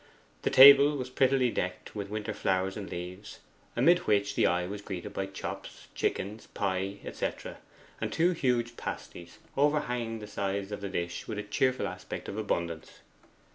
The table was prettily decked with winter flowers and leaves, amid which the eye was greeted by chops, chicken, pie, &c., and two huge pasties overhanging the sides of the dish with a cheerful aspect of abundance.